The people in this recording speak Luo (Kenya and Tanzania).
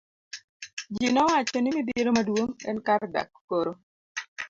Ji nowacho ni midhiero maduong' en kar dak koro.